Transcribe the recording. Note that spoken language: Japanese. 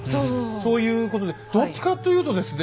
そういうことでどっちかというとですね